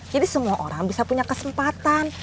jadi semua orang bisa punya kesempatan